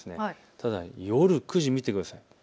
ただ夜９時を見てください。